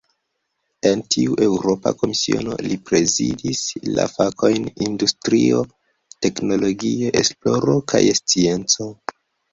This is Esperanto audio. En tiu Eŭropa Komisiono, li prezidis la fakojn "industrio, teknologio, esploro kaj scienco".